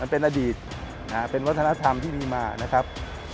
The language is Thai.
เป็นอดีตเป็นวัฒนธรรมที่มีมานะครับ